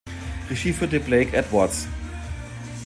Regie führte Blake Edwards.